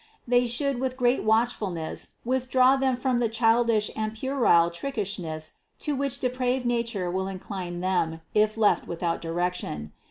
They should with great watchfulness with draw them from the childishness and puerile trickish ness to which depraved nature will incline them if left without direction.